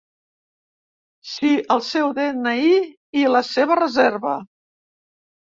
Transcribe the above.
Sí, el seu de-ena-i i la seva reserva.